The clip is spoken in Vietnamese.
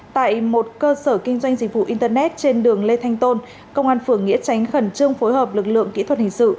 tại một cơ sở kinh doanh dịch vụ internet trên đường lê thanh tôn công an phường nghĩa tránh khẩn trương phối hợp lực lượng kỹ thuật hình sự